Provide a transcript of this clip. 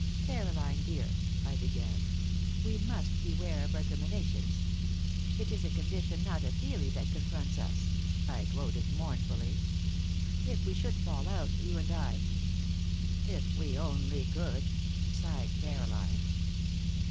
"Caroline, dear," I began, "we must beware of recriminations. 'It is a condition, not a theory, that confronts us,'" I quoted, mournfully. "If we should fall out, you and I " "If we only could!" sighed Caroline.